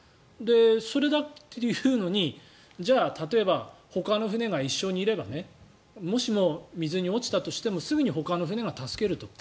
それだというのにじゃあ、例えばほかの船が一緒にいればもしも水に落ちたとしてもすぐにほかの船が助けると。